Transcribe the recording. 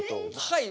はい。